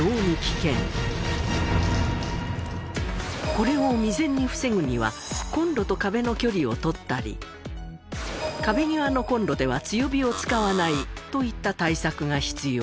これを未然に防ぐにはコンロと壁の距離を取ったり壁際のコンロでは強火を使わないといった対策が必要。